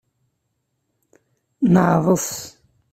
Neɛḍes.